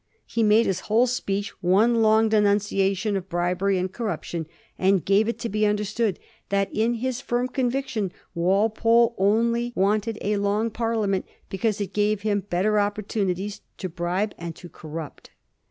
He made his whole speech one long de nunciation of bribery and corruption, and gave it to be understood that in his firm conviction Walpole only wanted a long Parliament because it gave him better op portunities to bribe and to corrupt.